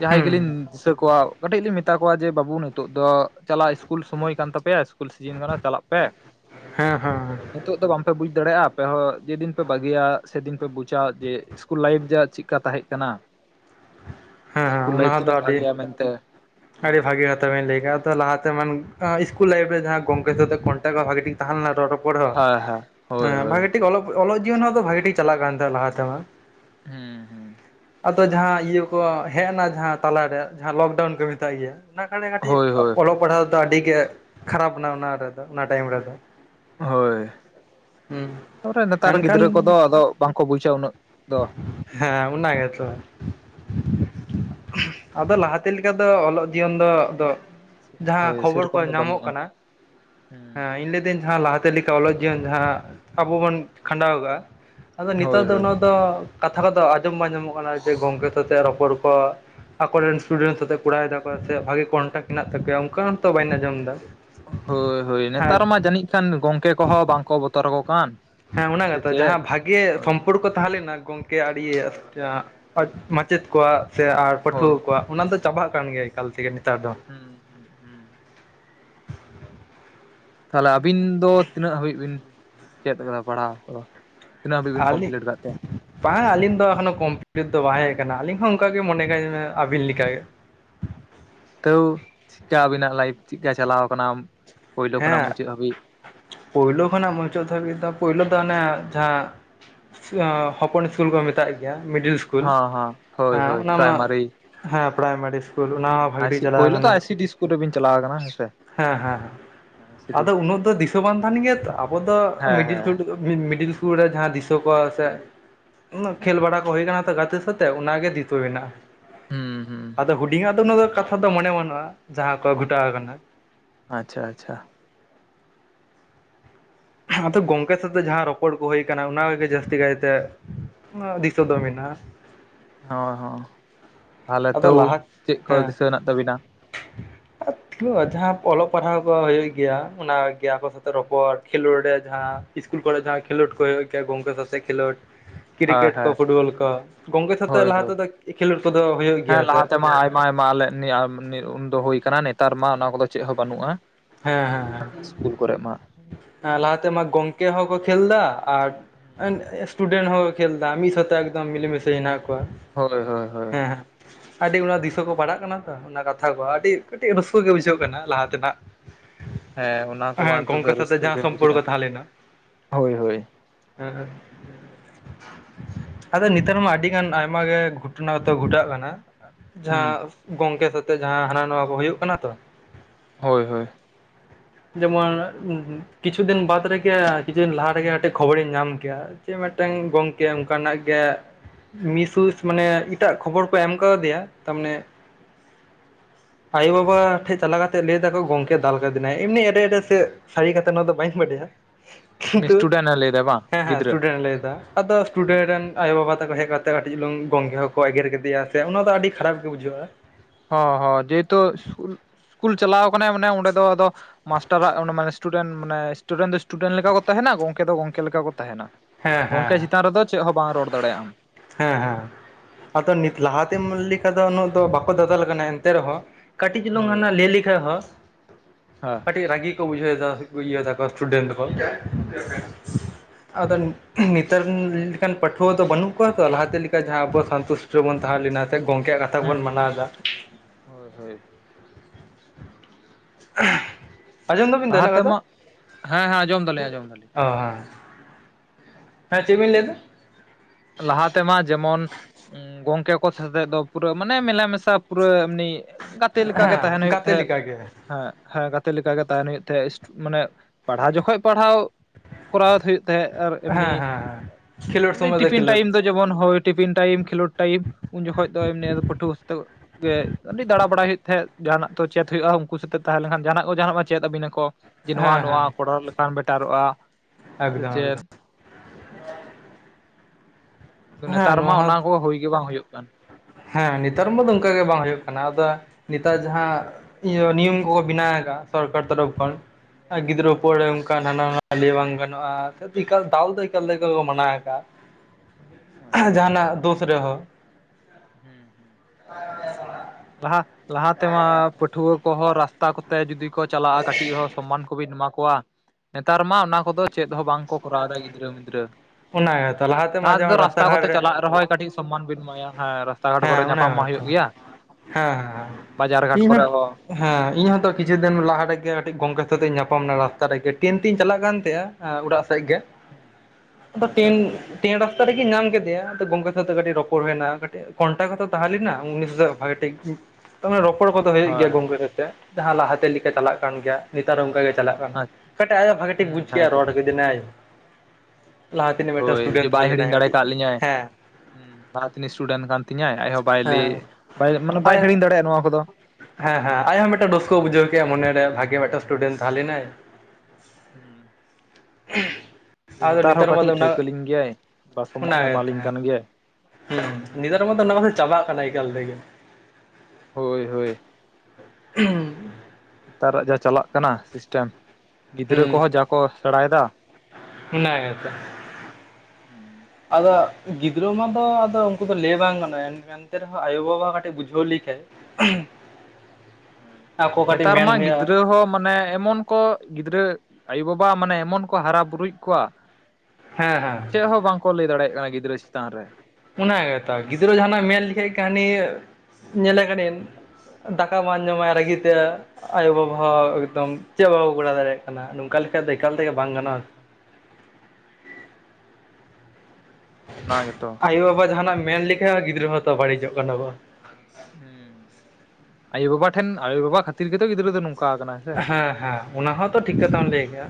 Speaker 1: ᱡᱟᱦᱟᱸᱭ
Speaker 2: ᱦᱩᱸ
Speaker 1: ᱜᱮᱞᱤᱧ ᱫᱤᱥᱟᱹ ᱠᱚᱣᱟ ᱠᱟᱹᱴᱤᱡ ᱞᱤᱧ ᱢᱮᱛᱟ ᱠᱚᱣᱟ ᱡᱮ ᱵᱟᱹᱵᱩ ᱱᱤᱛᱳᱜ ᱫᱚ ᱪᱟᱞᱟᱜ ᱤᱥᱠᱩᱞ ᱥᱩᱚᱢᱚᱭ ᱠᱟᱱ ᱛᱟᱯᱮᱭᱟ, ᱤᱥᱠᱩᱞ ᱥᱤᱡᱤᱱ ᱠᱟᱱᱟ ᱪᱟᱞᱟᱜ ᱯᱮ᱾
Speaker 2: ᱦᱮᱸ᱾ <inaudible>
Speaker 1: ᱱᱤᱛᱚᱜ ᱫᱚ ᱵᱟᱝ ᱯᱮ ᱵᱩᱡᱽ ᱫᱟᱲᱮᱭᱟᱜ-ᱟ ᱟᱯᱮ ᱦᱚᱸ ᱡᱮᱫᱤᱱ ᱯᱮ ᱵᱟᱹᱜᱤᱭᱟ ᱥᱮᱫᱤᱱ ᱯᱮ ᱵᱩᱡᱟ ᱡᱮ ᱤᱥᱠᱩᱞ ᱞᱟᱭᱤᱯᱷ ᱡᱮ ᱪᱮᱫᱠᱟ ᱛᱟᱦᱮᱸᱜ ᱠᱟᱱᱟ᱾ <inaudible>
Speaker 2: ᱦᱮᱸ ᱦᱮᱸ ᱚᱱᱟ
Speaker 1: ᱞᱟᱭᱤᱯᱷ
Speaker 2: ᱦᱚᱸ ᱛᱚ
Speaker 1: ᱛᱤᱱᱟᱹᱜ
Speaker 2: ᱟᱰᱤ,
Speaker 1: ᱵᱷᱟᱜᱮᱭᱟ ᱢᱮᱱᱛᱮ
Speaker 2: ᱟᱰᱤ
Speaker 1: ᱦᱳᱭ
Speaker 2: ᱵᱷᱟᱜᱤ ᱠᱟᱛᱷᱟ ᱵᱤᱱ <unintelligible> ᱛᱚ ᱞᱟᱦᱟᱛᱮ ᱢᱟᱱ ᱟᱻ ᱤᱥᱠᱩᱞ ᱞᱟᱭᱤᱯᱷ ᱨᱮ ᱡᱟᱦᱟᱸ ᱜᱚᱝᱠᱮ ᱥᱟᱶᱛᱮ ᱠᱚᱱᱴᱮᱠ ᱦᱚᱸ ᱵᱷᱟᱜᱤ ᱴᱷᱤᱠ ᱛᱟᱦᱮᱸ ᱞᱮᱱᱟ ᱨᱚᱲ ᱨᱚ ᱯᱚᱲ ᱦᱚᱸ᱾
Speaker 1: ᱦᱳᱭ ᱦᱳᱭ
Speaker 2: ᱟᱸ
Speaker 1: ᱦᱳᱭ
Speaker 2: ᱵᱷᱟᱜᱤ ᱴᱷᱤᱠ ᱚᱞᱚᱜ ᱚᱞᱚᱜ ᱡᱤᱭᱚᱱ ᱦᱚᱸ ᱟᱫᱚ ᱵᱷᱟᱜᱤ ᱴᱷᱤᱠ ᱪᱟᱞᱟᱜ ᱠᱟᱱ ᱛᱟᱦᱮᱸᱫ ᱞᱟᱦᱟ ᱛᱮᱢᱟ᱾
Speaker 1: ᱦᱮᱸ ᱦᱮᱸ᱾
Speaker 2: ᱟᱫᱚ ᱡᱟᱦᱟᱸ ᱤᱭᱟᱹ ᱠᱚ ᱦᱮᱡ ᱮᱱᱟ ᱡᱟᱦᱟᱸ ᱛᱟᱞᱟ ᱰᱷᱮᱜ ᱡᱟᱦᱟᱸ ᱞᱚᱠᱰᱟᱣᱩᱱ ᱠᱚ ᱢᱮᱛᱟᱜ ᱜᱮᱭᱟ᱾ ᱚᱱᱟ ᱠᱷᱟ ᱠᱟᱴᱤᱡ
Speaker 1: ᱦᱳᱭ ᱦᱳᱭ
Speaker 2: ᱚᱞᱚᱜ ᱯᱟᱲᱦᱟᱜ ᱫᱚ ᱟᱰᱤ ᱜᱮ ᱠᱷᱟᱨᱟᱯ ᱱᱟ ᱚᱱᱟ ᱨᱮ ᱫᱚ ᱚᱱᱟ ᱴᱟᱭᱮᱢ ᱨᱮ ᱫᱚ ᱾
Speaker 1: ᱦᱳᱭ ᱛᱚᱨᱮ ᱱᱮᱛᱟᱨ
Speaker 2: ᱮᱱᱠᱷᱟᱱ
Speaker 1: ᱜᱤᱫᱽᱨᱟᱹ ᱠᱚ ᱫᱚ ᱟᱫᱚ ᱵᱟᱝ ᱠᱚ ᱵᱩᱡᱟ ᱩᱱᱟᱹᱜ ᱫᱚ ᱾
Speaker 2: ᱦᱮᱸ ᱚᱱᱟ ᱜᱮ ᱛᱚ ᱾ ᱟᱫᱚ ᱞᱟᱦᱟ ᱛᱮ ᱞᱮᱠᱟ ᱫᱚ ᱚᱞᱚᱜ ᱡᱤᱭᱚᱱ ᱫᱚ ᱟᱫᱚ ᱡᱟᱦᱟᱸ
Speaker 1: ᱦᱳᱭ
Speaker 2: ᱠᱷᱚᱵᱚᱨ ᱠᱚ
Speaker 1: ᱥᱮᱨᱚᱠᱚᱢ ᱫᱚ
Speaker 2: ᱧᱟᱢᱚᱜ
Speaker 1: ᱵᱟᱹᱱᱩᱜᱼᱟ
Speaker 2: ᱠᱟᱱᱟ
Speaker 1: ᱦᱩᱸ
Speaker 2: ᱦᱮᱸ ᱤᱧ ᱞᱟᱹᱭᱫᱟᱹᱧ ᱡᱟᱦᱟ ᱞᱟᱦᱟ ᱛ ᱾ ᱛᱮ ᱞᱮᱠᱟ ᱚᱞᱚᱜ ᱡᱤᱭᱚᱱ ᱡᱟᱦᱟᱸ ᱟᱵᱩ ᱵᱚᱱ ᱠᱷᱟᱸᱰᱟᱣ ᱠᱟᱜᱼᱟ ᱟᱫᱚ
Speaker 1: ᱦᱳᱭ
Speaker 2: ᱱᱤᱛᱚᱜ ᱫᱚ
Speaker 1: ᱦᱳᱭ
Speaker 2: ᱱᱚᱣᱟ ᱾ ᱫᱚ ᱠᱟᱛᱷᱟ ᱠᱚᱫᱚ ᱟᱸᱡᱚᱢ ᱵᱟᱝᱸᱧᱟᱢᱚᱜ ᱠᱟᱱᱟ ᱡᱮ ᱜᱚᱝᱠᱮ ᱛᱳᱛᱮ ᱨᱚᱯᱚᱲ ᱠᱚ ᱟᱠᱩᱨᱮᱱ ᱥᱴᱩᱰᱮᱱᱴ ᱥᱟᱛᱮᱜ ᱠᱚᱨᱟᱣ ᱫᱟᱠᱚ ᱥᱮ ᱵᱷᱟᱜᱤ ᱠᱚᱱᱴᱮᱠᱴ ᱦᱮᱱᱟᱜ ᱛᱟᱯᱮᱭᱟ ᱚᱱᱠᱟ ᱦᱚᱸᱛᱚ ᱵᱟᱹᱧ ᱟᱸᱡᱚᱢ ᱫᱟ ᱾
Speaker 1: ᱦᱳᱭ ᱦᱳᱭ ᱱᱮᱛᱟᱨ ᱢᱟ ᱡᱟᱹᱱᱤᱡ ᱠᱷᱟᱱ ᱜᱚᱝᱠᱮ ᱠᱩᱦᱚᱸ ᱵᱟᱝᱠᱚ ᱵᱚᱛᱚᱨ ᱟᱠᱚ ᱠᱟᱱ ᱾
Speaker 2: ᱦᱮᱸ ᱚᱱᱟ ᱜᱮᱛᱚ ᱡᱟᱦᱟᱸ ᱵᱷᱟᱜᱮ ᱥᱚᱢ ᱾ ᱯᱩᱲ ᱠᱚ ᱛᱟᱦᱮᱸ ᱞᱮᱱᱟ ᱜᱚᱢᱠᱮ ᱟᱰᱤ ᱢᱟᱪᱮᱫ ᱠᱚᱣᱟᱜ ᱥᱮ ᱟᱨ ᱯᱟᱹᱴᱷᱩᱣᱟᱹ
Speaker 1: ᱦᱳᱭ
Speaker 2: ᱠᱩᱚᱣᱟᱜ ᱚᱱᱟ ᱫᱚ ᱪᱟᱵᱟᱜ ᱠᱟᱱ ᱜᱮᱭᱟ ᱮᱠᱟᱞ ᱛᱮ ᱜᱮ ᱱᱮᱛᱟᱨ ᱫᱚ ᱾
Speaker 1: ᱦᱩᱸ ᱦᱩᱸ ᱦᱩᱸ ᱾ ᱛᱟᱦᱞᱮ ᱟᱵᱤᱱ ᱫᱚ ᱛᱤᱱᱟᱹᱜ ᱦᱟᱹᱵᱤᱡ ᱵᱤᱱ ᱪᱮᱫ ᱠᱟᱫᱟ ᱯᱟᱲᱦᱟᱣ ᱠᱩᱫᱚ?
Speaker 2: ᱟᱞᱤ, ᱵᱟᱝ ᱟᱞᱤᱧ ᱫᱚ ᱮᱠᱷᱚᱱᱳ ᱠᱚᱢᱯᱤᱴ ᱫᱚ ᱵᱟᱝ ᱦᱮᱡ ᱠᱟᱱᱟ ᱟᱞᱤᱧ ᱦᱚᱸ ᱚᱱᱠᱟᱜᱮ ᱢᱚᱱᱮ ᱠᱟᱱᱟ ᱟᱵᱤᱱᱞᱤᱠᱟ ᱜᱮ ᱾
Speaker 1: ᱛᱟᱹᱣ ᱪᱮᱫᱠᱟ ᱟᱵᱤᱱᱟᱜ ᱞᱟᱭᱤᱯᱷ ᱪᱮᱫᱠᱟ ᱪᱟᱞᱟᱣ ᱟᱠᱟᱱᱟ ᱯᱩᱭᱞᱳ ᱠᱷᱚᱱᱟᱜ ᱢᱩᱪᱟᱹᱫ ᱦᱟᱹᱵᱤᱡ ᱾
Speaker 2: ᱯᱩᱭᱞᱳ ᱠᱷᱚᱱᱟᱜ ᱢᱩᱪᱟᱹᱫ ᱫᱷᱟᱹᱵᱤᱡ ᱯᱩᱭᱞᱳ ᱫᱚ ᱚᱱᱟ ᱡᱟᱦᱟᱸ ᱾ ᱦᱚᱯᱚᱱ ᱤᱥᱠᱩᱞ ᱠᱩ ᱢᱮᱛᱟᱜ ᱜᱮᱭᱟ ᱢᱤᱰᱤᱞ ᱾
Speaker 1: ᱦᱳ ᱦᱳᱸ ᱦᱳᱭ ᱦᱳᱭ ᱯᱨᱟᱭᱢᱟᱨᱤ ᱾
Speaker 2: ᱦᱮᱸ ᱯᱲᱟᱭᱢᱟᱨᱤᱥ ᱾ ᱠᱩᱞ ᱚᱱᱟ ᱦᱚᱸ ᱵᱷᱟᱜᱤ ᱴᱷᱤᱠ ᱪᱟᱞᱟᱣ
Speaker 1: ᱯᱳᱭᱞᱳ ᱫᱚ
Speaker 2: ᱠᱟᱱᱟ
Speaker 1: ᱟᱭ ᱥᱤ ᱰᱤ ᱤᱥᱠᱩᱞ ᱨᱮᱵᱤᱱ ᱪᱟᱞᱟᱣ ᱟᱠᱟᱱᱟ ᱦᱮᱸᱥᱮ
Speaker 2: ᱦᱮᱸ ᱦᱮᱸ ᱦ ᱾ ᱟᱫᱚ ᱩᱱᱟᱹᱜ ᱫᱚ ᱫᱤᱥᱟᱹ ᱵᱟᱝ ᱛᱟᱦᱮᱱ ᱜᱮᱭᱟ ᱛᱚ ᱟᱵᱩ ᱫᱚ
Speaker 1: ᱦᱮᱸ
Speaker 2: ᱢᱤᱰᱤᱞ
Speaker 1: ᱦᱮᱸ
Speaker 2: ᱠᱷᱪᱵ ᱾ ᱢᱤᱰᱤᱞ ᱤᱥᱠᱩᱞ ᱨᱮ ᱡᱟᱦᱟᱸ ᱫᱤᱥᱟᱹ ᱠᱩᱣᱟ ᱥᱮ ᱩᱱᱟᱹ ᱠᱷᱮᱞ ᱵᱟᱲᱟ ᱠᱩ ᱦᱩᱭ ᱠᱟᱱᱟ ᱛᱚ ᱜᱟᱛᱮ ᱥᱟᱶᱛᱮ ᱩᱱᱟᱜᱮ ᱫᱤᱥᱟᱹ ᱦᱮᱱᱟᱜᱼᱟ,
Speaker 1: ᱦᱩᱸ ᱦᱩᱸ
Speaker 2: ᱟᱫᱚ ᱦᱩᱰᱤᱧᱟᱜ ᱫᱚ ᱩᱱᱟᱜ ᱫᱚ ᱠᱟᱛᱷᱟ ᱫᱚ ᱢᱚᱱᱮ ᱵᱟᱱᱩᱜᱼᱟ ᱡᱟᱦᱟᱸ ᱠᱚ ᱜᱷᱚᱴᱟᱣ ᱠᱟᱱᱟ ᱾
Speaker 1: ᱟᱪᱪᱷᱟ, ᱟᱪᱪᱷᱟ ᱾
Speaker 2: ᱟᱫᱚ ᱜᱚᱝᱠᱮ ᱥᱟᱣᱛᱮᱜ ᱡᱟᱦᱟᱸ ᱨᱚᱯᱚᱲ ᱠᱩ ᱦᱩᱭ ᱠᱟᱱᱟ ᱚᱱᱟ ᱜᱤ ᱡᱟᱹᱥᱛᱤ ᱠᱟᱭᱛᱮ ᱟᱸᱻ ᱫᱤᱥᱟᱹ ᱫᱚ ᱢᱤᱱᱟᱜ ᱼᱟ,
Speaker 1: ᱦᱟᱻᱦ ᱛᱟᱦᱞᱮ
Speaker 2: ᱟᱫᱚ
Speaker 1: ᱛᱳᱹᱣ
Speaker 2: ᱞᱟᱦᱟ
Speaker 1: ᱪᱮᱫ ᱠᱚ ᱦᱮᱱᱟ ᱛᱟᱵᱤᱱᱟ?
Speaker 2: ᱟᱹᱛ ᱾ ᱦᱩᱭᱳᱜᱼᱟ ᱡᱟᱦᱟᱸ ᱚᱞᱚᱜ ᱯᱟᱲᱦᱟᱣ ᱠᱚ ᱦᱩᱭᱩᱜ ᱜᱤᱭᱟ ᱚᱱᱟ ᱜᱮᱭᱟ ᱠᱚ ᱟᱠᱚ ᱥᱟᱛᱮ ᱨᱚᱯᱚᱲ ᱠᱷᱮᱞᱳᱰ ᱨᱮ ᱡᱟᱦᱟᱸ ᱤᱥᱠᱩᱞ ᱠᱚᱨᱮ ᱡᱟᱦᱟᱸ ᱠᱷᱤᱞᱳᱰ ᱦᱩᱭᱩᱜ ᱜᱮᱭᱟ ᱜᱚᱝᱠᱮ ᱥᱮ ᱠᱷᱤᱞᱳᱰ ᱾
Speaker 1: <unintelligible>
Speaker 2: ᱠᱨᱤᱠᱮᱴ ᱠᱚ
Speaker 1: ᱦᱮᱸ
Speaker 2: ᱯᱷᱩᱴᱵᱚᱞ ᱠᱚ ᱜᱚᱝᱠᱮ ᱥᱟᱣ ᱛᱮ
Speaker 1: ᱦᱳᱭ
Speaker 2: ᱞᱟᱦᱟ
Speaker 1: ᱦᱳᱭ
Speaker 2: ᱛᱮᱫᱚ ᱠᱷᱮᱞᱳᱰ ᱠᱚᱫᱚ ᱦᱩᱭᱩᱜ
Speaker 1: ᱦᱮᱸ
Speaker 2: ᱜᱮᱭᱟ ᱥᱮ
Speaker 1: ᱞᱟᱦᱟ ᱛᱮᱢᱟ ᱟᱭᱢᱟ ᱟᱭᱢᱟ ᱟᱞᱮ ᱫᱚ ᱱᱤᱭᱟᱹ ᱩᱸ ᱦᱩᱭ ᱠᱟᱱᱟ ᱱᱮᱛᱟᱨ ᱢᱟ ᱚᱱᱟ ᱠᱩᱫᱚ ᱪᱮᱫ ᱦᱚᱸ ᱵᱟᱹᱱᱩᱜᱼᱟ ᱾
Speaker 2: ᱦᱮᱸ ᱦᱮᱸ ᱦᱮᱸ ᱞᱟᱦᱟᱛᱮᱢᱟ ᱜᱚᱝᱠᱮ ᱦᱩᱸᱠᱚ ᱠᱷᱮᱞ ᱮᱫᱟ ᱾ ᱟᱨ ᱥᱴᱩᱰᱮᱱᱴ ᱦᱚᱸ ᱠᱷᱮᱞ ᱮᱫᱟ ᱥᱟᱶᱛᱮ ᱮᱫᱚᱢ ᱢᱤᱞᱮᱢᱤᱥᱮ ᱦᱮᱱᱟᱜ ᱟᱸ
Speaker 1: ᱦᱳᱭ ᱦᱳᱭ ᱦᱳᱭ
Speaker 2: ᱦᱮᱸ ᱾ ᱟᱰᱤ ᱚᱱᱟ ᱫᱤᱥᱟᱹ ᱠᱚ ᱯᱟᱲᱦᱟᱜ ᱠᱟᱱᱟ ᱛᱚ ᱚᱱᱟ ᱠᱟᱛᱷᱟ ᱠᱚ ᱟᱰᱤ ᱠᱟᱹᱴᱤᱡ ᱨᱟᱹᱥᱠᱟᱹ ᱜᱮ ᱵᱩᱡᱷᱟᱹᱜ ᱠᱟᱱᱟ ᱞᱟᱦᱟ ᱛᱮᱱᱟᱜ᱾
Speaker 1: ᱦᱮᱸ ᱚᱱᱟ ᱠᱚᱢᱟ
Speaker 2: ᱦᱮᱸ
Speaker 1: ᱱᱤᱛᱚᱜ ᱫᱚ
Speaker 2: ᱜᱚᱝᱠᱮ ᱥᱟᱣᱛᱮ
Speaker 1: ᱨᱟᱹᱥᱠᱟᱹ
Speaker 2: ᱡᱟᱦᱟᱸ
Speaker 1: ᱜᱮ ᱵᱩᱡᱷᱟᱹᱜᱼᱟ
Speaker 2: ᱥᱚᱢᱯᱚᱨᱠᱚ ᱛᱟᱦᱮᱞᱮᱱᱟ
Speaker 1: ᱦᱳᱭ ᱦᱳᱭ
Speaker 2: ᱾ ᱦᱮᱸ ᱦᱮ ᱾ ᱟᱫᱚ ᱱᱮᱛᱟᱨ ᱢᱟ ᱟᱰᱤ ᱜᱟᱱ ᱟᱭᱢᱟ ᱜᱮ ᱜᱷᱚᱴᱚᱱᱟ ᱛᱚ ᱜᱷᱚᱴᱟᱜ ᱠᱟᱱᱟ ᱾
Speaker 1: ᱦᱩᱸ
Speaker 2: ᱡᱟᱦᱟᱸ ᱜᱚᱝᱠᱮ ᱥᱟᱛᱮ ᱡᱟᱦᱟᱸ ᱦᱟᱱᱟ ᱱᱚᱣᱟ ᱦᱩᱭᱩᱜ ᱠᱟᱱᱟ ᱛᱚ
Speaker 1: ᱦᱳᱭ ᱦᱳᱭ,
Speaker 2: ᱡᱮᱢᱚᱱ ᱠᱤᱪᱷᱩ ᱫᱤᱱ ᱵᱟᱫ ᱨᱮᱜᱮ ᱠᱤᱪᱷᱩ ᱫᱤᱱ ᱞᱟᱦᱟ ᱨᱮᱜᱮ ᱢᱤᱴᱟᱹᱜ ᱠᱷᱚᱵᱚᱨᱤᱧ ᱧᱟᱢ ᱠᱮᱭᱟ ᱪᱮᱫ ᱢᱤᱫᱴᱟᱝ ᱜᱚᱝᱠᱮ ᱚᱱᱠᱟ ᱱᱟᱜ ᱜᱮ ᱢᱤᱥᱩᱥ ᱢᱟᱱᱮ ᱮᱴᱟᱜ ᱠᱷᱚᱵᱚᱨ ᱠᱚ ᱮᱢ ᱠᱟᱣᱫᱮᱭᱟ ᱛᱟᱨᱢᱟᱱᱮ ᱟᱭᱳ ᱵᱟᱵᱟ ᱴᱷᱮᱡ ᱪᱟᱞᱟᱣ ᱠᱟᱛᱮᱜ ᱞᱟᱹᱭ ᱮᱫᱟ ᱠᱚ ᱜᱚᱝᱠᱮ ᱫᱟᱞ ᱠᱟᱫᱤᱱᱟᱭ ᱮᱢᱱᱤ ᱮᱲᱰᱮ ᱮᱰᱮ ᱥᱮ ᱥᱟᱹᱲᱤ ᱠᱟᱛᱮ ᱱᱚᱣᱟ ᱫᱚ ᱵᱟᱹᱧ ᱵᱟᱰᱟᱭᱟ ᱠᱤᱱᱛᱩ
Speaker 1: ᱥᱴᱩᱰᱮᱱᱴ ᱮ ᱞᱟᱹᱭ ᱮᱫᱟ ᱵᱟᱝ
Speaker 2: ᱦᱮᱸ ᱦᱮᱸ
Speaker 1: ᱜᱤᱫᱽᱨᱟᱹ
Speaker 2: ᱥᱴᱩᱰᱮᱱᱴ ᱞᱟᱹᱭ ᱮᱫᱟ ᱟᱫᱚ ᱥᱴᱩᱰᱮᱱᱴ ᱨᱮᱱ ᱟᱭᱳ ᱵᱟᱵᱟ ᱛᱟᱠᱚ ᱦᱮᱡ ᱠᱟᱛᱮᱫ ᱠᱟᱹᱴᱤᱡ ᱪᱩᱞᱩᱝ ᱜᱚᱝᱜᱮ ᱦᱚᱸᱠᱚ ᱮᱜᱮᱨ ᱠᱮᱫᱮᱭᱟ ᱥᱮ ᱚᱱᱟᱫᱚ ᱟᱹᱰᱤ ᱠᱷᱟᱨᱟᱯ ᱜᱮ ᱵᱩᱡᱷᱟᱹᱜᱼᱟ
Speaker 1: ᱦᱚᱸ ᱦᱚᱸ ᱡᱮᱦᱮᱛᱩ ᱥᱠᱩᱞ ᱥᱠᱩᱞ ᱪᱟᱞᱟᱣ ᱟᱠᱟᱱᱟᱭ ᱢᱟᱱᱮ ᱚᱸᱰᱮ ᱫᱚ ᱟᱫᱚ ᱢᱟᱥᱴᱟᱨᱟᱜ ᱢᱟᱱ ᱥᱴᱩ ᱰᱮᱱ ᱢᱟᱱᱮ ᱥᱴᱩᱰᱮᱱᱴ ᱫᱚ ᱥᱴᱩᱰᱮᱱᱴ ᱞᱮᱠᱟ ᱠᱚ ᱛᱟᱦᱮᱱᱟ ᱜᱚᱝᱠᱮ ᱫᱚ ᱜᱚᱝᱠᱮ ᱞᱮᱠᱟ ᱠᱚ ᱛᱟᱦᱮᱱᱟ
Speaker 2: ᱦᱮᱸ
Speaker 1: ᱜᱚᱝᱠᱮ
Speaker 2: ᱦᱮᱸ
Speaker 1: ᱪᱮᱛᱟᱱ ᱨᱮᱫᱚ ᱪᱮᱜᱽ ᱦᱚᱸ ᱵᱟᱝ ᱨᱚᱲ ᱫᱟᱲᱮᱭᱟᱜᱼᱟᱢ᱾
Speaker 2: ᱦᱮᱸ ᱦᱮᱸ᱾ ᱟᱫᱚ ᱱᱤᱛ ᱞᱟᱦᱟᱛᱮᱢ ᱞᱮᱠᱟ ᱫᱚ ᱩᱱᱟᱹᱜ ᱫᱚ ᱵᱟᱠᱚ ᱫᱟᱫᱟᱞ ᱠᱟᱱᱟ ᱮᱱᱛᱮ ᱨᱮᱦᱚᱸ ᱠᱟᱹᱴᱤ ᱪᱩᱞᱩᱝ ᱦᱟᱱᱟ ᱞᱮᱟᱹᱭ ᱞᱮᱠᱷᱟᱡ ᱦᱚ
Speaker 1: ᱦᱚ
Speaker 2: ᱠᱟᱹᱴᱤᱡ ᱨᱟᱹᱜᱤ ᱠᱚ ᱵᱩᱡᱷᱟᱹᱣ ᱫᱟ ᱤᱭᱟᱹ ᱛᱟᱠᱚ ᱥᱴᱩᱰᱮᱱᱴ ᱠᱚ ᱟᱫᱟᱱᱤ ᱱᱮᱛᱟᱨ ᱞᱤ ᱞᱮᱠᱟᱱ ᱯᱟᱹᱴᱷᱩᱣᱟᱹ ᱫᱚ ᱵᱟᱹᱱᱩᱜ ᱠᱚᱣᱟ ᱛᱚ ᱞᱟᱦᱟᱛᱮ ᱞᱮᱠᱟ ᱡᱟᱦᱟᱸ ᱟᱵᱚ ᱥᱟᱱᱛᱚ ᱥᱤᱥᱴᱚ ᱵᱚᱱ ᱛᱟᱦᱮᱸ ᱞᱮᱱᱟ ᱜᱚᱝᱠᱮ ᱭᱟᱜ ᱠᱟᱛᱷᱟ
Speaker 1: ᱦᱩᱸ
Speaker 2: ᱵᱚᱱ ᱢᱟᱱᱟᱣ
Speaker 1: ᱦᱩᱸ
Speaker 2: ᱮᱫᱟ
Speaker 1: ᱦᱳᱭ ᱦᱳᱭ᱾
Speaker 2: <inaudible> ᱟᱸᱡᱚᱢ ᱫᱟ ᱵᱤᱱ ᱛᱚ
Speaker 1: ᱞᱟᱦᱟ
Speaker 2: ᱤᱱᱟᱜ ᱠᱟᱛᱷᱟ
Speaker 1: ᱛᱮᱢᱟ ᱦᱮᱸ ᱦᱮᱸ ᱟᱸᱡᱚᱢ ᱫᱟᱞᱤᱧ ᱟᱸᱡᱚᱢ ᱫᱟᱞᱤᱧ
Speaker 2: ᱚ ᱦᱮᱸ ᱦᱮᱸ ᱪᱮᱜᱽ ᱵᱤᱱ ᱞᱟᱹᱭ ᱮᱫᱟ?
Speaker 1: ᱞᱟᱦᱟ ᱛᱮᱢᱟ ᱡᱮᱢᱚᱱ ᱜᱚᱝᱠᱮ ᱠᱚ ᱥᱟᱛᱮᱫ ᱫᱚ ᱯᱩᱨᱟᱹ ᱢᱟᱱᱮ ᱢᱮᱞᱟ ᱢᱮᱥᱟ ᱯᱩᱨᱟᱹ ᱮᱢᱱᱤ ᱠᱟᱛᱮ ᱞᱮᱠᱟ ᱜᱮ ᱛᱟᱦᱮᱱ
Speaker 2: ᱦᱮᱸ
Speaker 1: ᱦᱩᱭᱩᱜ
Speaker 2: ᱜᱟᱛᱮ
Speaker 1: ᱛᱟᱦᱮᱸᱫ
Speaker 2: ᱞᱮᱠᱟᱜᱮ
Speaker 1: ᱦᱮᱸ ᱦᱮᱸ ᱜᱟᱛᱮ ᱞᱮᱠᱟ ᱜᱮ ᱛᱟᱦᱮᱱ ᱦᱩᱭᱩᱜ ᱛᱟᱦᱮᱸ ᱢᱟᱱᱮ ᱯᱟᱲᱦᱟᱣ ᱡᱚᱠᱷᱚᱱ ᱯᱟᱲᱦᱟᱣ ᱠᱚᱨᱟᱣ ᱛᱮ ᱦᱩᱭᱩᱜ ᱛᱟᱭᱟ ᱟᱨ
Speaker 2: ᱦᱮᱸ
Speaker 1: ᱮᱢᱱᱤ
Speaker 2: ᱦᱮᱸ ᱠᱷᱮᱞᱳᱰ
Speaker 1: ᱤᱢᱤᱱ
Speaker 2: ᱥᱚᱢᱚᱭ ᱠᱷᱮᱞᱳᱰ
Speaker 1: ᱫᱚ ᱡᱮᱢᱚᱱ ᱦᱳᱭ ᱴᱤᱯᱷᱤᱱ ᱴᱟᱭᱤᱢ ᱠᱷᱮᱞᱳᱰ ᱴᱟᱭᱤᱢ ᱩᱱ ᱡᱚᱠᱷᱚᱱ ᱫᱚ ᱮᱢᱱᱤ ᱯᱟᱹᱴᱷᱩᱣ ᱥᱟᱛᱮ ᱜᱮ ᱟᱹᱰᱤ ᱫᱟᱬᱟ ᱵᱟᱲᱟᱭ ᱦᱩᱭᱩᱜ ᱛᱟᱦᱮᱸᱜ ᱡᱟᱦᱟᱱᱟᱜ ᱛᱚ ᱪᱮᱫ ᱦᱩᱭᱩᱜᱼᱟ ᱩᱱᱠᱩ ᱥᱟᱛᱮᱜ ᱛᱟᱦᱮᱸ ᱞᱮᱱᱠᱷᱟᱱ ᱡᱟᱦᱟᱱᱟᱜ ᱠᱚ ᱡᱟᱦᱟᱱᱟᱜ ᱫᱚ ᱵᱟᱝ ᱪᱮᱫ ᱟᱹᱵᱤᱱᱟᱠᱚ᱾ ᱡᱮ ᱱᱚᱣᱟ
Speaker 2: ᱦᱮᱸ
Speaker 1: ᱱᱚᱣᱟ ᱠᱚᱨᱟᱣ ᱞᱮᱠᱷᱟᱱ ᱵᱮᱴᱟᱨᱚᱜᱼᱟ ᱥᱮ
Speaker 2: ᱟᱠᱫᱚᱢ
Speaker 1: ᱪᱮᱫ
Speaker 2: ᱮᱠᱫᱚᱢ ᱮᱠᱫᱚᱢ ᱦᱮᱸ
Speaker 1: ᱱᱮᱛᱟᱨ ᱢᱟ
Speaker 2: ᱱᱚᱣᱟ
Speaker 1: ᱚᱱᱟ
Speaker 2: ᱦᱚᱸ
Speaker 1: ᱠᱚ ᱦᱩᱭ ᱜᱮ ᱵᱟᱝ ᱦᱩᱭᱩᱜ ᱠᱟᱱ
Speaker 2: ᱦᱮᱸ ᱱᱮᱛᱟᱨ ᱢᱟ ᱫᱚ ᱚᱱᱠᱟ ᱜᱮ ᱵᱟᱝ ᱦᱩᱭᱩᱜ ᱠᱟᱱᱟ ᱟᱫᱚ ᱱᱮᱛᱟᱨ ᱡᱟᱦᱟᱸ ᱤᱭᱟᱹ ᱱᱤᱭᱚᱢ ᱠᱚᱠᱚ ᱵᱮᱱᱟᱣ ᱮᱫᱟ ᱥᱚᱨᱠᱟᱨ ᱛᱚᱨᱚᱯᱷ ᱠᱷᱚᱱ ᱜᱤᱫᱽᱨᱟᱹ
Speaker 1: ᱦᱳᱭ
Speaker 2: ᱚᱯᱚᱨ ᱲᱮ ᱚᱱᱠᱟ ᱦᱟᱱᱟ ᱱᱟ ᱞᱟᱹᱭ ᱵᱟᱝ ᱜᱟᱱᱚᱜᱼᱟ ᱮᱠᱟᱞ ᱫᱟᱞ ᱫᱚ ᱮᱠᱟᱞ ᱛᱮᱜᱮ ᱠᱚ ᱢᱟᱱᱟᱣ ᱟᱠᱟᱫ-ᱟ
Speaker 1: ᱟᱪᱪᱷᱟ
Speaker 2: ᱡᱟᱦᱟᱱᱟᱜ ᱫᱳᱥ ᱨᱮᱦᱚᱸ
Speaker 1: ᱦᱩᱸ ᱦᱩᱸ ᱞᱟᱦᱟ ᱞᱟᱦᱟ ᱛᱮᱢᱟ ᱯᱟᱹᱴ ᱴᱷᱩᱣᱟᱹ ᱠᱚᱦᱚᱸ ᱨᱟᱥᱛᱟ ᱠᱚᱛᱮ ᱡᱩᱫᱤ ᱠᱚ ᱪᱟᱞᱟᱜᱼᱟ ᱠᱟᱹᱴᱤᱡ ᱨᱮᱦᱚᱸ ᱥᱚᱢ ᱢᱟᱱ ᱠᱚᱵᱤᱱ ᱮᱢᱟ ᱠᱚᱣᱟ ᱱᱮᱛᱟᱨ ᱢᱟ ᱚᱱᱟ ᱠᱚᱫᱚ ᱪᱮᱫ ᱦᱚᱸ ᱵᱟᱝ ᱠᱚ ᱠᱚᱨᱟᱣ ᱮᱫᱟ ᱜᱤᱫᱽᱨᱟᱹ ᱢᱤᱫᱽᱨᱟᱹ
Speaker 2: ᱚᱱᱟ ᱜᱮᱛᱚ
Speaker 1: ᱞᱟᱦᱟ
Speaker 2: ᱞᱟᱦᱟᱛᱮᱢᱟ
Speaker 1: ᱛᱮᱫᱚ
Speaker 2: ᱡᱮᱢᱚᱱ
Speaker 1: ᱨᱟᱥᱛᱟ
Speaker 2: ᱜᱷᱟᱴ
Speaker 1: ᱠᱚᱛᱮ
Speaker 2: ᱨᱮ
Speaker 1: ᱪᱟᱞᱟᱜ ᱨᱮᱦᱚᱸ ᱠᱟᱹᱴᱤᱡ ᱥᱚᱢᱢᱟᱱ ᱵᱤᱱ ᱮᱢᱟᱭᱟ᱾ ᱦᱮᱸ ᱨᱟᱥᱛᱟ ᱜᱷᱟᱴ ᱠᱚᱨᱮ
Speaker 2: ᱦᱮᱸ ᱚᱱᱟ
Speaker 1: ᱧᱟᱯᱟᱢ ᱢᱟ
Speaker 2: ᱜᱮᱛᱚ
Speaker 1: ᱦᱩᱭᱩᱜ
Speaker 2: ᱦᱮᱸ
Speaker 1: ᱜᱮᱭᱟ
Speaker 2: ᱦᱮᱸ
Speaker 1: ᱵᱟᱡᱟᱨ ᱜᱷᱟᱴ ᱠᱚᱨᱮ ᱦᱚᱸ᱾
Speaker 2: ᱦᱮᱸ ᱤᱧ ᱦᱚᱸᱛᱚ ᱠᱤᱪᱷᱩ ᱫᱤᱱ ᱞᱟᱦᱟ ᱨᱮᱜᱮ ᱢᱤᱴᱤᱡ ᱜᱚᱝᱠᱮ ᱥᱟᱣᱛᱤᱧ ᱧᱟᱯᱟᱢ ᱱᱟ ᱨᱟᱥᱛᱟ ᱨᱮᱜᱮ ᱴᱨᱮᱱ ᱛᱮᱧ ᱪᱟᱞᱟᱜ ᱠᱟᱱ ᱛᱟᱸᱦᱮᱼᱟ ᱮᱸ ᱚᱲᱟᱜ ᱥᱮᱜᱽ ᱜᱮ
Speaker 1: ᱦᱮᱸ,
Speaker 2: ᱟᱫᱚ ᱴᱮᱱ ᱯᱷᱮᱰ ᱚᱠᱛᱚ ᱨᱮᱜᱮᱧ ᱧᱟᱢ ᱠᱮᱫᱮᱭᱟ ᱟᱫᱚ ᱜᱚᱝᱠᱮ ᱥᱟᱸᱣᱛᱮ ᱠᱟᱹᱴᱤᱡ ᱨᱚᱯᱚᱲ ᱦᱩᱭᱮᱱᱟ ᱠᱟᱹᱴᱤᱡ ᱠᱚᱱᱴᱟᱠ ᱦᱚᱸᱛᱚ ᱛᱟᱦᱮᱸ ᱞᱮᱱᱟ ᱩᱱ ᱵᱷᱟᱜᱮ ᱴᱤᱠ ᱛᱢᱟᱱᱮ ᱨᱚᱯᱚᱲ ᱠᱚᱫᱚ ᱦᱩᱭᱩᱜ
Speaker 1: ᱦᱳᱭ
Speaker 2: ᱜᱮᱭᱟ ᱜᱚᱝᱠᱮᱛᱮᱜ ᱡᱟᱦᱟᱸ ᱞᱟᱦᱟᱛᱮ ᱞᱮᱠᱟ ᱪᱟᱞᱟᱜ ᱠᱟᱱ ᱜᱮᱭᱟ ᱱᱮᱛᱟᱨ ᱦᱚᱸ ᱚᱝᱠᱟ ᱜᱮ ᱪᱟᱞᱟᱜ
Speaker 1: ᱦᱳᱭ
Speaker 2: ᱠᱟᱴᱟᱜ ᱟᱭᱟᱜ ᱵᱷᱟᱜᱮ ᱴᱷᱤᱠ ᱵᱩᱡᱽ
Speaker 1: ᱦᱩᱸ
Speaker 2: ᱠᱮᱫᱟᱭ
Speaker 1: ᱦᱮᱸᱛᱚ
Speaker 2: ᱨᱚᱲ ᱠᱤᱫᱤᱱᱟᱭ
Speaker 1: ᱦᱳᱭ ᱡᱮ ᱵᱟᱭ
Speaker 2: ᱛᱟᱦᱮᱸ ᱞᱮᱱᱟᱭ
Speaker 1: ᱦᱤᱲᱤᱧ ᱫᱟᱲᱮ
Speaker 2: ᱠᱟᱹᱴᱤᱡ
Speaker 1: ᱠᱟᱫ ᱞᱤᱧᱟᱭ᱾
Speaker 2: ᱦᱮᱸ
Speaker 1: ᱦᱮᱸ ᱞᱟᱦᱟᱛᱤᱱ ᱤᱥᱴᱩᱰᱮᱱᱴ ᱠᱟᱱ ᱛᱤᱧᱟᱭ ᱟᱡᱦᱚᱸ ᱵᱟᱭ ᱞᱟᱹᱭ
Speaker 2: ᱦᱮᱸ
Speaker 1: ᱢᱟᱱᱮ ᱵᱟᱭ
Speaker 2: ᱟᱡ
Speaker 1: ᱦᱤᱲᱤᱧ ᱫᱟᱲᱮᱭᱟᱜ-ᱟ ᱱᱚᱣᱟ ᱠᱚᱫᱚ᱾
Speaker 2: ᱦᱮᱸ ᱦᱮᱸ ᱟᱡᱦᱚᱸ ᱢᱤᱫᱴᱟᱝ ᱨᱟᱹᱥᱠᱟᱹ ᱵᱩᱡᱟᱹᱣ ᱠᱮᱭᱟ ᱢᱚᱱᱮᱨᱮ ᱵᱷᱟᱜᱮ ᱢᱮᱫ ᱴᱟᱱ ᱥᱴᱩᱰᱮᱱᱴ ᱛᱟᱦᱞᱮᱱᱟᱭ
Speaker 1: ᱦᱩᱸ
Speaker 2: <inaudible>
Speaker 1: ᱡᱮ ᱱᱮᱛᱟᱨ ᱦᱚᱸ
Speaker 2: ᱢᱟᱫᱚ
Speaker 1: ᱠᱟᱹᱴᱤᱡ
Speaker 2: ᱚᱱᱟ
Speaker 1: ᱴᱷᱟᱹᱣᱠᱟᱹ ᱞᱤᱧ ᱜᱮᱭᱟᱭ ᱵᱟ
Speaker 2: ᱚᱱᱟ
Speaker 1: ᱥᱚᱢᱢᱟᱱᱮ
Speaker 2: ᱜᱮᱛᱚ
Speaker 1: ᱮᱢᱟᱞᱤᱧ
Speaker 2: ᱦᱮᱸ
Speaker 1: ᱠᱟᱱ ᱜᱮᱭᱟᱭ
Speaker 2: ᱦᱩᱸ ᱱᱮᱛᱟᱨ ᱢᱟᱛᱚ ᱱᱚᱣᱟ ᱠᱚ ᱫᱚ ᱪᱟᱵᱟᱜ ᱠᱟᱱᱟ ᱮᱠᱟᱞ ᱛᱮᱜᱮ᱾
Speaker 1: ᱦᱳᱭ ᱦᱳᱭ
Speaker 2: ᱩᱸᱦᱩᱸ
Speaker 1: ᱛᱟᱨᱟᱜ ᱡᱟ ᱪᱟᱞᱟᱜ ᱠᱟᱱᱟ ᱥᱤᱥᱴᱮᱢ ᱜᱤᱫᱽᱨᱟᱹ
Speaker 2: ᱦᱮᱸ
Speaker 1: ᱠᱚᱦᱚᱸ ᱡᱟ ᱠᱚ ᱥᱮᱬᱟᱭᱮᱫᱟ
Speaker 2: ᱟᱱᱟ ᱜᱮ ᱛᱚ
Speaker 1: ᱦᱩᱸ
Speaker 2: ᱟᱫᱚ ᱜᱤᱫᱽᱨᱟᱹ ᱢᱟ ᱫᱚ ᱟᱫᱚ ᱩᱱᱠᱩ ᱫᱚ ᱞᱮᱟᱹᱭ ᱵᱟᱝ ᱜᱟᱱᱚᱜ-ᱟ ᱮᱱᱛᱮ ᱨᱮᱦᱚᱸ ᱟᱭᱳᱵᱟᱵᱟ ᱠᱟᱹᱴᱤᱡ ᱵᱩᱡᱷᱟᱹᱣ ᱞᱮᱠᱷᱟᱭ
Speaker 1: ᱱᱮᱛᱟᱨ ᱢᱟ ᱜᱤᱫᱽᱨᱟᱹ ᱦᱚᱸ ᱢᱟᱱᱮ ᱮᱢᱚᱱ ᱠᱚ ᱜᱤᱫᱽᱨᱟᱹ ᱟᱭᱳᱵᱟᱵᱟ ᱢᱟᱱᱮ ᱮᱢᱚᱱ ᱠᱚ ᱦᱟᱨᱟ ᱵᱩᱨᱩᱭᱮᱜ ᱠᱚᱣᱟ
Speaker 2: ᱦᱮᱸ ᱦᱮᱸ
Speaker 1: ᱪᱮᱜ ᱦᱚᱸ ᱵᱟᱝᱠᱚ ᱞᱟᱹᱭ ᱫᱟᱲᱮᱭᱟᱜ ᱠᱟᱱᱟ ᱜᱤᱫᱽᱨᱟᱹ ᱪᱮᱛᱟᱱ ᱨᱮ
Speaker 2: ᱚᱱᱟ ᱜᱮᱛᱚ ᱜᱤᱫᱽᱨᱟᱹ ᱡᱟᱦᱟᱸᱱᱟᱜ ᱢᱮᱱ ᱞᱮᱠᱷᱟᱡ ᱜᱮ ᱟᱹᱦᱱᱤ ᱧᱮᱞᱮ ᱠᱟᱹᱤᱱᱤᱱ ᱫᱟᱠᱟ ᱵᱟᱝ ᱡᱚᱢᱟᱭ ᱨᱟᱹᱜᱤ ᱛᱮ ᱟᱭᱳ-ᱵᱟᱵᱟ ᱦᱚᱸ ᱮᱠᱫᱚᱢ ᱪᱮᱫ ᱵᱟᱠᱚ ᱠᱚᱨᱟᱣ ᱫᱟᱲᱮᱭᱟᱜ ᱠᱟᱱᱟ ᱚᱠᱟᱞ ᱞᱮᱠᱟ ᱮᱠᱟᱞ ᱛᱮᱜᱮ ᱵᱟᱝ ᱜᱟᱱᱚᱜ-ᱟ
Speaker 1: ᱚᱱᱟ ᱜᱮᱛᱚ
Speaker 2: ᱟᱭᱳ ᱵᱟᱵᱟ ᱡᱟᱦᱱᱟᱜ ᱮ ᱢᱮᱱ ᱞᱮᱠᱷᱟᱡ ᱜᱤᱫᱽᱨᱟᱹ ᱦᱚᱸᱛᱚ ᱵᱟᱹᱲᱤᱡᱚᱜ ᱠᱟᱱᱟ
Speaker 1: ᱦᱮᱸ ᱟᱭᱳᱵᱟᱵᱟ ᱴᱷᱮᱱ ᱟᱭᱳᱵᱟᱵᱟ ᱠᱷᱟᱹᱛᱤᱨ ᱜᱮᱛᱚ ᱜᱤᱫᱽᱨᱟᱹ ᱫᱚ ᱱᱚᱝᱠᱟ ᱠᱟᱱᱟᱭ
Speaker 2: ᱦᱮᱸ ᱦᱮᱸ ᱚᱱᱟ ᱦᱚᱸᱛᱚ ᱴᱷᱤᱠ ᱠᱟᱛᱷᱟᱢ ᱞᱟᱹᱭ ᱠᱟᱜ-ᱟ᱾